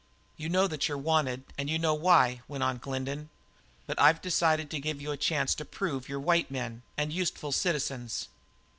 "You know that you're wanted, and you know why," went on Glendin, "but I've decided to give you a chance to prove that you're white men and useful citizens.